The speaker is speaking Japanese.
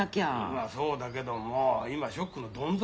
まあそうだけども今ショックのどん底なんだからさ